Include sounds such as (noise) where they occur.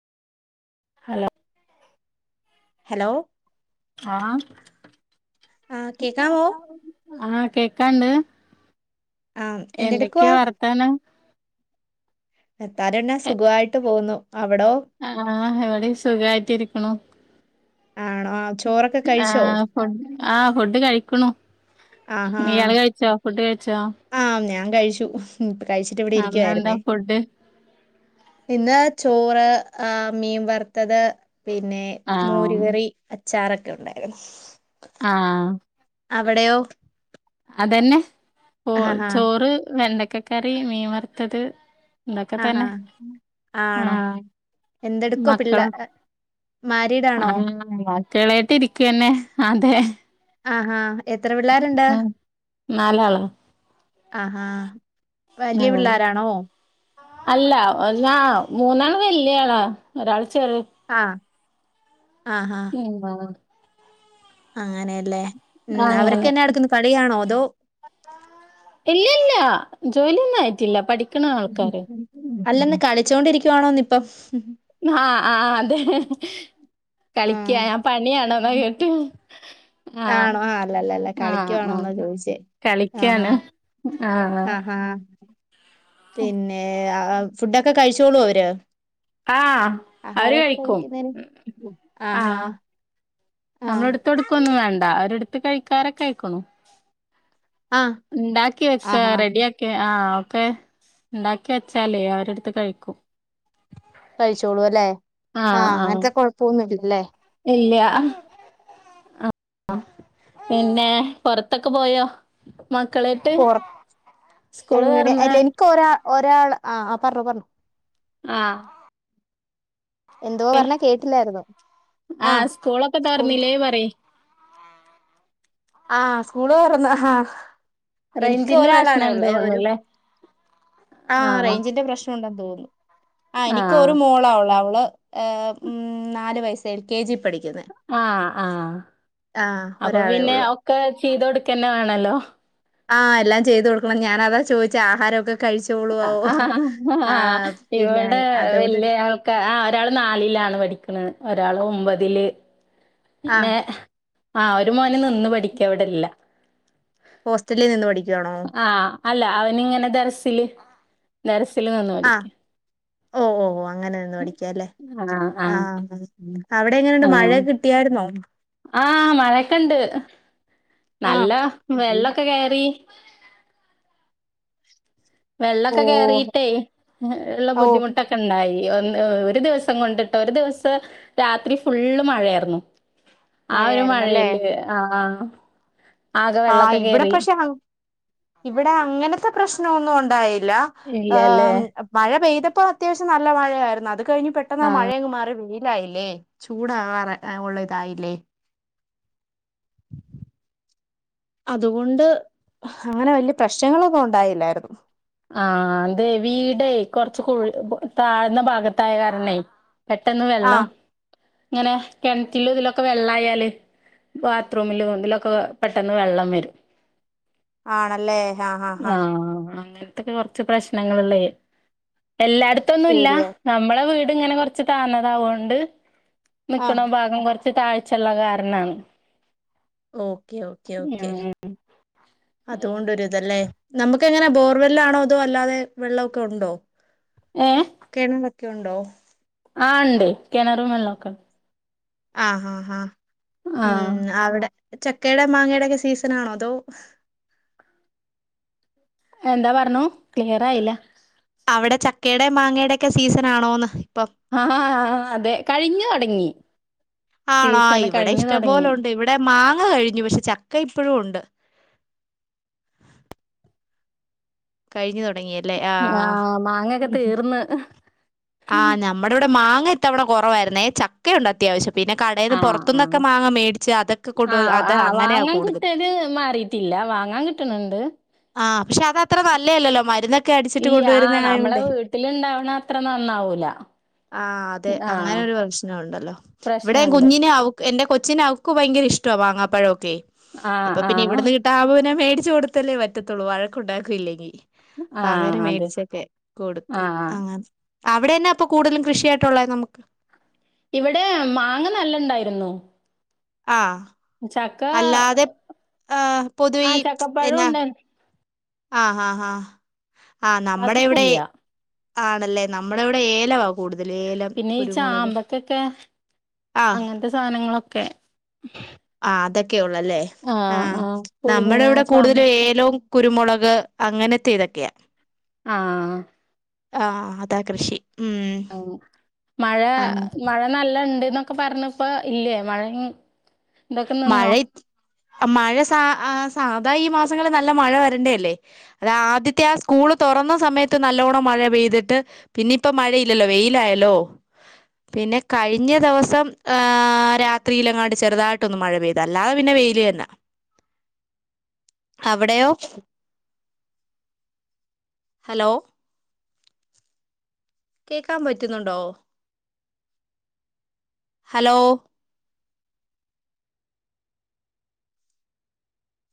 Hello hello ആഹ് ആ കേക്കാവോ ആ കേക്കാണ്ട് ആ എന്തെടുക്കുവാ എന്തൊക്കെയാ വർത്താനം എത്താരെന്നാ സുഖാവായിട്ട് പോവുന്നു അവിടോ ആ ഇവിടേം സുഖായിട്ടിരിക്ക്ണു ആണോ ആ ചോറൊക്കെ ആ കഴിച്ചോ ഫു ആ ഫുഡ് കഴിക്കണു ആഹാ ഇയാള് കഴിച്ചോ ഫുഡ് ക ച്ചോ ആ ഞാൻ കഴിച്ചു കഴിച്ചിട്ടിവിടെ ഇരിക്കുവാരുന്നേ ഫുഡ് ഇന്ന് ചോ റ് ആ മീൻ വറത്തത് പിന്നെ ആഹ് മോരുകറി അച് ചാറൊക്കെ ഒണ്ടാരുന്നു ആ അവിടെയോ അതന്നെ ഓ ആഹാ ചോറ് വെണ്ട ക്ക്കറി മീ വറ്ത്തത്- ആഹാ ആണോ ആഹ് എന്തെടുക്വ മക്കളോ പിള്ളേ മാരീഡാണോ? കുട്വാളായിട്ടിരിക്കന്നെ അതെ- ആഹാ- എത്ര പിള്ളേരുണ്ട് ഉം നാലാളോ ആഹാ വലിയ ആഹ് പിള്ളേരാണോ? അല്ല ഒന്നാ മൂന്നാള് വല്ല്യാള ഒരാള്- ആ- ആഹാ ഞ്ഞിണ്ടാവോ അങ്ങനെയല്ലേ ഉം അങ്ങനെ അവരൊക്കെന്നാ എടുക്കുന്നു കളിയാണോ, ന്തോ ഇല്ല ഇല്ല ജോലിയൊന്നും ആയിട്ടില്ല പഠി അല്ലെന്ന് കളിച്ചോണ്ടിരിക്കുവാണോന്നിപ്പം ആ ആ അതെ കളിക്ക ആഹ് ഞാൻ പണിയാണോ എന്ന കേട്ടെ ആ ആണോ അല്ല അല്ല അല്ല ആ ആ കളിക്കുവാണോന്നാ ചോദിച്ചേ ആഹാ കളിക്കാണ് ആ ആ ആഹാ പിന്നെ ആ ഫുഡൊക്കെ കഴിച്ചോളോ അവര് ആ ആഹാരം കഴിക്കുന്നതിന് ആഹ നമ്മള എടുത്തടുക്ക ഒന്നും വേണ്ട, അവരെടുത്ത എടുത്ത് കഴിക്കാരൊക്കെ ആയിക്കുണ് ആ ണ്ടാക്കി വക്കാ ആഹാ റെഡി ആക്കി ആ ഒക്കെ ഉണ്ടാക്കി വെച്ചാലേ അവരെടുത്ത് കഴിക്കും കഴിച്ചോളൂല്ലെ ആ അങ്ങനത്തെ കൊഴപ്പൊന്നുമില്ല ല്ലെ ഇല്ല്യാ ആ പിന്നെ പൊറത്തൊക്കെ പോയോ മക്കളായിട്ട് പുറ സ്കൂള് തൊറന്ന ഒരാള് ആ ആ പറഞ്ഞു പറഞ്ഞു ആ എന്തോ പറഞ്ഞാ കേട്ടില്ലായിുന്നോ ആ സ്കൂളൊക്കെ സ്കൂ തൊറന്നില്ലേ പറയ് ആഹ സ്കൂള് തോർന്നു ആഹ എനിക്ക് റേഞ്ചിന്റെ ഒരാളാണേ പ്രശ്നണ്ട് ഉള്ളേ ഒരു തോന്നുല്ലേ ആ റേഞ്ചിന്റെ പ്രശ്നം ഉണ്ടെന്ന് തോന്നുന്നു. ആ എനിക്ക് ഒരു മോളാവുള്ള അവ മം മം നാല് വയസ് എൽ കെ ജി പഠിക്ക ആ ആ ആഹ് അപ്പൊ ഒരാളേ പിന്നെ ഉള്ളൂ ക്ക ചെയ്ത കൊടുക്കന്നെ വേണല്ലോ ആ എല്ലാം ചെയ്ത് കൊടുക്കണം ഞാനതാ ചോദിച്ച ആഹാരം ഓക്കെ ആ ആ പിന്നെ ഇവിടെ അതുകൊണ്ട് വലിയ ആൾക്കാ ആ ഒരാൾ നാലിലാണ് പഠിക്കുന്നത് ഒരാള് ഒമ്പതില് ആഹ് പിന്നെ അ ഒരു മോന് നിന്ന് പഠിക്ക ഇവിടല്ല ഹോസ്റ്റലിൽ നിന്ന് പഠിക്കുവാണോ അ അല്ല അവനിങ്ങനെ ദർ ദർസിൽ ദർസ് നിന്ന് പഠിക്കാം ഓ ഓ അ അ അവിടെ എങ്ങനെയുണ്ട് അ മഴ കിട്ടിയായിരുന്നോ ആ മഴൊക്ക ഇണ്ട് ആഹ് നല്ല വെള്ളൊക്കെ കയറി വെള്ളൊക്കെ ഓഹ് കേറീട്ടേയ് ഉള്ള ഓഹ് ബുദ്ധിമുട്ടൊക്കെ ഉണ്ടായി ഒരു ദിവസം കൊണ്ടിട്ട് ഒരു ദിവസം രാത്രി ഫുള്ള് മഴയായിരുന്നു ആ ഒരു മഴയായിരുന്നല്ലേ മഴയില് അ അ ആ ഇവിടെ പക്ഷെ ഇവിടെ അങ്ങനത്തെ പ്രശ്നൊന്നും ഉണ്ടാ ണ്ടായി ല്ല ഇല്ലല്ലേ? മഴ പെയ്ത പ്പോ അത്യാവശം നല്ല മഴയായിരുന്നു അത് കഴിഞ്ഞു പെട്ടെന്നാ മഴയങ് മാറി വെയി ലായില്ലേ ചൂടാറ ഉള്ള ഇതായില്ലേ അതുകൊണ്ട് അങ്ങനെ വലിയ പ്രശ്നങ്ങളൊന്നും ഉണ്ടായില്ലായിരുന്നു ആ അതെ വീടേ കൊറച്ച് കുഴി താഴ്ന്ന ഭാഗത്തായകാരണെ പെട്ടെന്ന് വെള്ളം ആഹ് ഇങ്ങനെ കിണറ്റില് ഇതിലൊക്കെ വെള്ളായാല് ബാത്റൂമില് ഇതിലൊക്കെ പെട്ടെന്ന് വെള്ളം വരും ആണല്ലേ ഹാ ഹാ ഹാ ത്തൊക്കെ കുറച്ച് പ്രശ്നങ്ങളുള്ളേ എല്ലായിടത്തൊന്നും ഇല്ല ഏരിയ നമ്മളെ വീട് ഇങ്ങനെ കൊറച്ച് താന്നതാവോണ്ട് ആഹ് നിക്കണ ഭാഗം കുറച്ച് താഴ്ചുള്ള കാരണാണ് ഓക്കെ ഓക്കെ ഓക്കെ അതുകൊണ്ടൊരു ഇതല്ലേ നമുക്ക് ഒക്കെ എങ്ങന ബോർവെല്ലാണോ അതോ അല്ലാതെ വെള്ളൊക്കെ ഒണ്ടോ ഏഹ് കിണർ ഒക്കെ ഉണ്ടോ ആണ്ടേയ് കിണറും വെള്ളോക്ക ആ ഹാ ഹാ ആഹ് ഉം ആവിടെ- ചക്കേടെ മാങ്ങേടൊക്കെ സീസനാണോ അതോ? എന്താ പറ്ഞ്ഞുക്ലിയർ ആയില്ല അവിടെ ചക്കേടെ മാങ്ങേടെക്കെ സീസൻ ആണോന്ന്- ഇപ്പം ആ ഹാ ആ അതെ കഴിഞ്ഞു തൊടങ്ങി- ആണോ സീസണ് ഇവിടെ കഴിഞ്ഞു തൊടങ്ങി ഇഷ്ടംപോലൊണ്ട് ഇവിടെ മാങ്ങ കഴിഞ്ഞു പക്ഷെ ചക് ക്ക ഇപ്പൊഴും ഒണ്ട്- കഴിഞ്ഞു തൊടങ്ങിയാര് ആഹ് മാങ്ങേക്കെ തീർന്ന്- ആ നമ്മുടെ ഇവിടെ മാങ്ങ ത്തവണ കുറവായിരേ ചക്കയുണ്ട് അത്യാവശ്യം പിന്നെ കടയിൽന്ന് ആഹ് പുറത്തുന്നൊക്കെ ആഹ് മാങ്ങാ മേടിച്ച് അതൊക്കെ കൊണ്ട് ആഹ് അത് ആഹ് അങ്ങനെയാ വാങ്ങാൻ കൂടുതൽ കിട്ടിയത് മാറിയിട്ടില്ല വാങ്ങാൻ കിട്ടണ് ണ്ട് ആ പക്ഷെ അത്ത്ര നല്ലോല്ലോ മരുന്നൊ ഇല്ല ആ നമ്മളെ വീട്ടില ഇണ്ടാവണ അത്ര നന്ദ ആ അതെ അങ്ങനെ ആഹ് ഒരു പ്രശ്ന ഉണ്ടല്ലോ ഇവിടെ പ്രശ്നണ്ട് കുഞ്ഞിനെ ആ എൻ്റെ കൊച്ചിനന് അവർക്ക് ഭയങ്കര ഇഷ്ടമാണ് മാങ്ങാപ്പഴമൊക്കെ ആഹ് അപ്പൊ പിന്നെ ആഹ് ഇവിടുന്ന് കിട്ടാ ആവു ബോ മേടി കു കൊടുത്തല്ലേ പറ്റത്തുള്ളൂ വഴക്ക ഉണ്ടാക്കൂയില്ലെങ്കിൽ പകര ആഹ് അതെ മേടിച്ചൊക്കെ കൊടുക്കും ആഹ് അങ്ങന അവിടെ തന്നെ ഇപ്പൊ കൂടുതലും കൃഷിയായിട്ടുള്ളത് നമുക്ക് ഇവിടെ മാങ്ങ നല്ലണ്ടായിരുന്നു ആ ചക്ക അല്ലാതെ ആ പൊതുവെ ആ ഈ ചക്കപ്പഴം എന്നാ ഉണ്ടായിരുന്നു ആ ആ ആ ആ നമ്മുടെ ഇവിടെ അല്ലാത്തപ്പല്ല ആണല്ലേ നമ്മുടെ ഇവിടെ ഏലവാ കൂടുത പിന്നെ ഈ ചാമ്പക്കൊക്കെ ആഹ് അങ്ങത്തെ സാധനങ്ങളൊക്കെ ആ അതൊക്കെയുള്ളു അല്ലേ ആ ആഹ് ആഹ് നമ്മടെ പുളിങ്ങ ഇവിടെ കൂടുതലും ചാമ്പക്ക ഏലവും കു രുമളക് അങ്ങനത്തെ ഇതൊക്കെയാ ആഹ് ആഹ് അതാ കൃഷി ഉം ആഹ് മഴ ആഹ് മഴ നല്ലണ്ട് ഇന്നൊക്കെ പറ്ഞ്ഞപ്പൊ ഇല്ലേ മഴയി (unintelligible) മഴ നിന്നോ ഇ- മഴ സാ ആ സാധാ ഈ മാസങ്ങളിൽ നല്ല മഴ വരണ്ടേല്ലേ അത ആദ്യത്തെ ആ സ്കൂള് തുറന്ന സമയത്ത് നല്ലോണം മഴ പെയ്തിട്ട് പിന്നെ ഇപ്പോ മഴയില്ലല്ലോ വെയിലായല്ലോ പിന്നെ കഴിഞ്ഞ ദിവസം ആ ഏ രാത്രിയിലങ്ങാട് ചെറുതാ യിട്ടൊന്ന് മഴ പെയ്ത് അല്ലാതെ പിന്നെ വെയില് തന്നെ അവിടെയോ ഹലോ കേക്കാൻ പറ്റുന്നുണ്ടോ ഹലോ